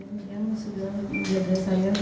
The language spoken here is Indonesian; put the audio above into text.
yang sudah berjaga jaga selama di kota medan